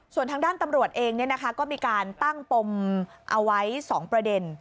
ส่วนทางด้านตำรวจเองก็มีการตั้งปมเอาไว้๒ประเด็น